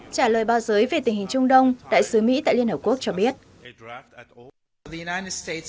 trả lời báo giới về tình hình trung đông đại sứ mỹ tại liên hợp quốc cho biết